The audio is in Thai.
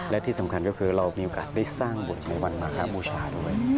และที่สำคัญก็คือเรามีโอกาสได้สร้างบทในวันมาครับบูชาด้วย